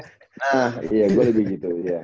nah iya gue lebih gitu ya